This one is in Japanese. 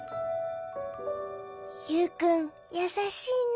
ユウくんやさしいね。